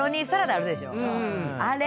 あれ。